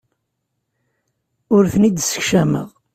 Ur ten-id-ssekcameɣ.